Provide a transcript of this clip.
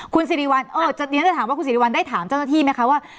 คุณสิริวัลเดี๋ยวฉันจะถามว่าคุณสิริวัลได้ถามเจ้าหน้าที่ไหมคะว่า